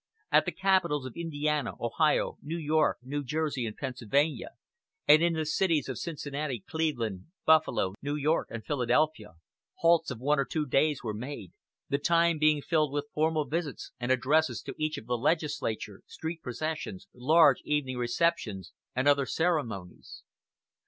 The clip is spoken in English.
At the capitals of Indiana, Ohio, New York, New Jersey, and Pennsylvania, and in the cities of Cincinnati, Cleveland, Buffalo, New York, and Philadelphia, halts of one or two days were made, the time being filled with formal visits and addresses to each house of the legislature, street processions, large evening receptions, and other ceremonies.